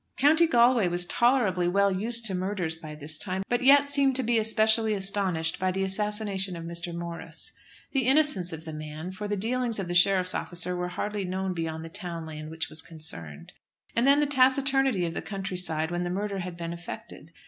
County Galway was tolerably well used to murders by this time, but yet seemed to be specially astonished by the assassination of Mr. Morris. The innocence of the man; for the dealings of the sheriff's officer were hardly known beyond the town land which was concerned! And then the taciturnity of the county side when the murder had been effected!